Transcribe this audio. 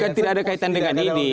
bukan tidak ada kaitan dengan didi